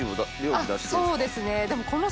そうですねでも。